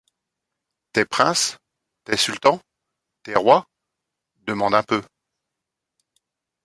Tes princes ? tes sultans ? tes rois ? demande un peu